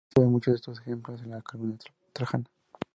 Se ven muchos de estos ejemplos en la columna trajana.